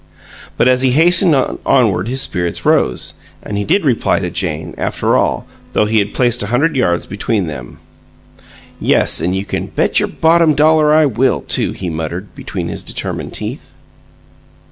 But as he hastened onward his spirits rose, and he did reply to Jane, after all, though he had placed a hundred yards between them. "Yes, and you can bet your bottom dollar I will, too!" he muttered, between his determined teeth.